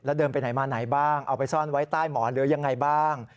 แล้วเดินไปไหนมาไหนบ้างเอาไปซ่อนไว้ใต้หมอนหรือยังไงบ้าง